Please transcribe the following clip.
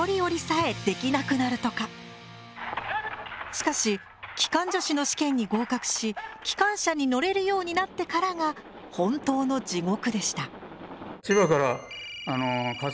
しかし機関助士の試験に合格し機関車に乗れるようになってからが本当の地獄でした。